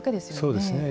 そうですね。